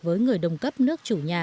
với người đồng cấp nước chủ nhà